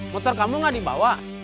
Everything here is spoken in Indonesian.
motor kamu gak dibawa